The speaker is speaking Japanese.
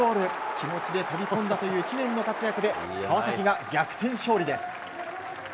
気持ちで飛び込んだという知念の活躍で川崎が逆転勝利です。